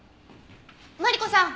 マリコさん！